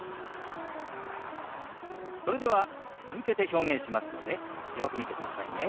それでは続けて表現しますのでよく見てくださいね。